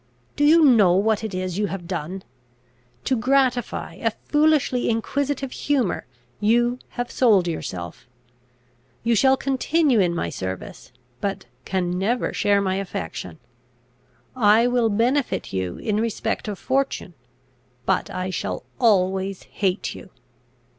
"Do you know what it is you have done? To gratify a foolishly inquisitive humour, you have sold yourself. You shall continue in my service, but can never share my affection. I will benefit you in respect of fortune, but I shall always hate you.